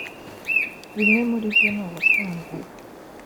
Bimwe muri byo ni ubusambanyi